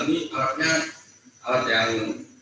ini alatnya alat yang